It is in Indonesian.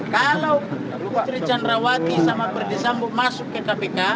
kalau cerecan rawati sama berdisambu masuk ke kpk